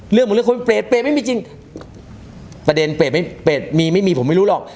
เหมือนเรื่องคนเปรตเปรตไม่มีจริงประเด็นเปรตไม่เปรตมีไม่มีผมไม่รู้หรอก